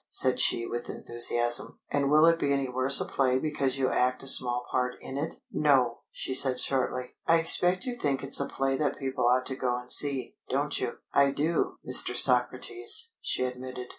said she with enthusiasm. "And will it be any worse a play because you act a small part in it?" "No," she said shortly. "I expect you think it's a play that people ought to go and see, don't you?" "I do, Mr. Socrates," she admitted.